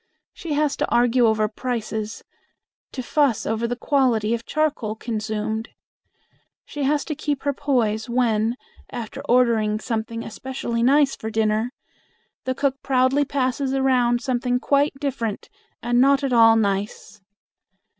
She has to argue over prices; to fuss over the quality of charcoal consumed. She has to keep her poise when, after ordering something especially nice for dinner, the cook proudly passes around something quite different and not at all nice.